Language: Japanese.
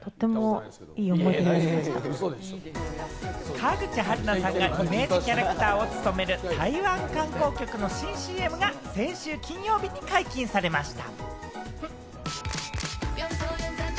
川口春奈さんがイメージキャラクターを務める、台湾観光局の新ＣＭが先週金曜日に解禁されました。